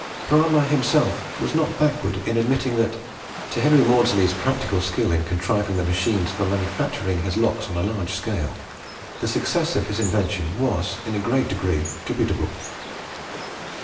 Bramah himself was not backward in admitting that to Henry Maudslay's practical skill in contriving the machines for manufacturing his locks on a large scale, the success of his invention was in a great degree attributable.